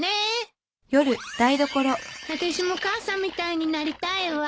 あたしも母さんみたいになりたいわ。